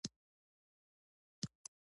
ويې ويل: د حملې له پاره بيړه مه کوئ!